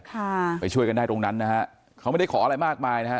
ค่ะไปช่วยกันได้ตรงนั้นนะฮะเขาไม่ได้ขออะไรมากมายนะฮะ